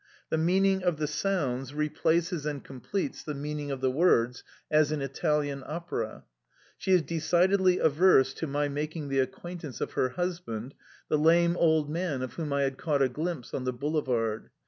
The meaning of the sounds replaces and completes the meaning of the words, as in Italian opera. She is decidedly averse to my making the acquaintance of her husband, the lame old man of whom I had caught a glimpse on the boulevard.